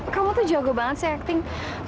kamu tuh jago banget sih acting